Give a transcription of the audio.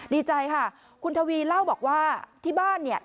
ดีใจค่ะคุณทวีเล่าบอกว่าที่บ้านเนี่ย